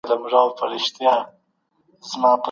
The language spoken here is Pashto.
ماشوم مشاهده کوله او تعليم ژورېده.